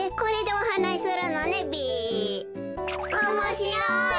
おもしろい。